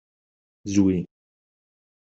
Zwi.